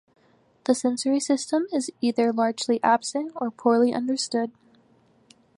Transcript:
The sensory system is either largely absent or poorly understood.